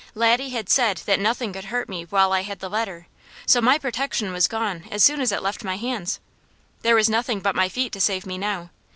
Laddie had said that nothing could hurt me while I had the letter, so my protection was gone as soon as it left my hands. There was nothing but my feet to save me now.